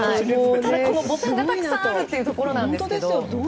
ただボタンがたくさんあるということなんですけど。